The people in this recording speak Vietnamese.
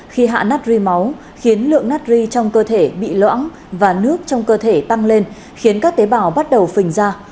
khi hạ nát ri máu khiến lượng nát ri trong cơ thể bị lõng và nước trong cơ thể tăng lên khiến các tế bào bắt đầu phình ra